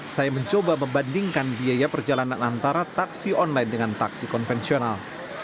saya mencoba membandingkan biaya perjalanan antara taksi online dengan taksi konvensional